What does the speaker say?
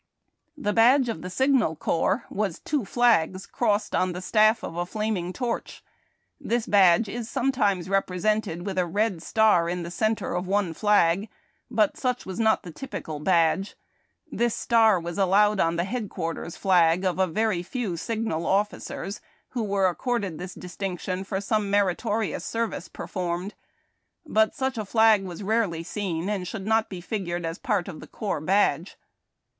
The badge of the Signal Corps was two flags crossed on the staff of a flaming torch. This badge is sometimes repre sented with a red star in the centre of one flag, but such was not the typical badge. This star was allowed on the headquarters flag of a veri/ feiv signal officers, who were ac corded this distinction for some meritorious service per formed ; but such a flag was rarely seen, and should not be figured as part of the corps badge.